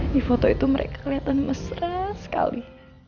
di foto itu mereka kelihatan mesra sekali